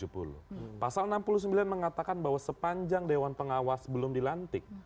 pasal enam puluh sembilan mengatakan bahwa sepanjang dewan pengawas belum dilantik